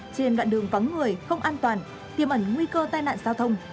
trên đoạn đường vắng người không an toàn tiêm ẩn nguy cơ tai nạn giao thông